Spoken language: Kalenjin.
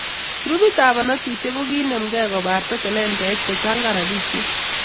Grupit ab barnotisiek kokinemke kobarta talentait kochangan rabisiek